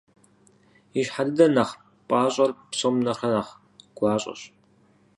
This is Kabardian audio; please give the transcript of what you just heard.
Ищхьэ дыдэр, нэхъ пIащIэр, псом нэхърэ нэхъ гуащIэщ.